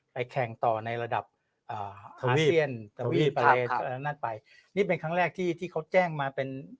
แข่งต่อในระดับอ่าอาเซียนตะวีไปนั่นไปนี่เป็นครั้งแรกที่ที่เขาแจ้งมาเป็น